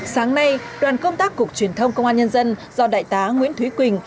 sáng nay đoàn công tác cục truyền thông công an nhân dân do đại tá nguyễn thúy quỳnh